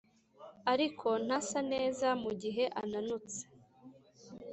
ariko ntasa neza mugihe ananutse